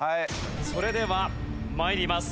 それでは参ります。